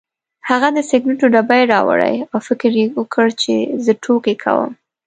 هغه د سګرټو ډبې راوړې او فکر یې وکړ چې زه ټوکې کوم.